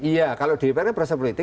iya kalau di dprd proses politik